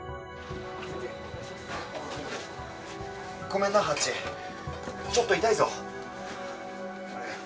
ごめんなハッチちょっと痛いぞ。